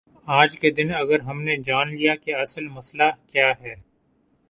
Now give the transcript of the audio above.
آج کے دن اگر ہم نے جان لیا کہ اصل مسئلہ کیا ہے۔